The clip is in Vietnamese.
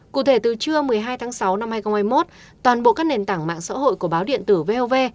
cụ thể từ trưa một mươi hai tháng sáu năm hai nghìn hai mươi một toàn bộ các nền tảng mạng xã hội của báo điện tử vov